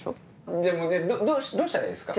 じゃあどうしたらいいですか？